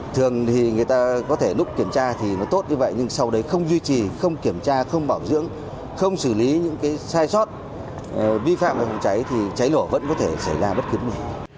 thường thì người ta có thể lúc kiểm tra thì nó tốt như vậy nhưng sau đấy không duy trì không kiểm tra không bảo dưỡng không xử lý những cái sai sót vi phạm về phòng cháy thì cháy nổ vẫn có thể xảy ra bất cứ